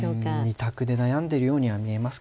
２択で悩んでるようには見えますけどね。